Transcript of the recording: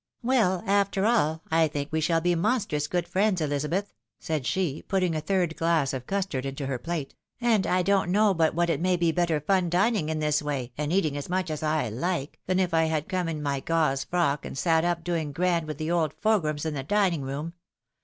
" Well, after all, I think we shall be monstrous good friends, Elizabeth ?" said she, putting a third glass of custard into her plate ;" and I don't know but what it may be better fun dining in this way, and eating as much as I like, than if I liad come in my gauze frock, and sat up doing grand with the old fogrums in the dining room.